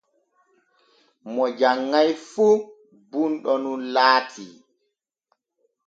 Mo janŋai fu bunɗo nun laati.